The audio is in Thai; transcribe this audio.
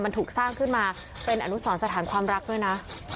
มันถูกสร้างขึ้นมาเป็นอนุสรสถานความรักด้วยนะ